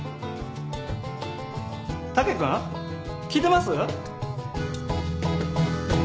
武君聞いてます？